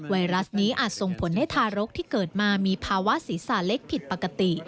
ไวรัสนี้อาจส่งผลให้ทารกที่เกิดมามีภาวะศีรษะเล็กผิดปกติ